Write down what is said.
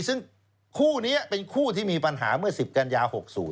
ซึ่งคู่นี้เป็นคู่ที่มีปัญหาเมื่อ๑๐กันยา๖๐